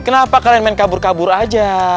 kenapa kalian main kabur kabur aja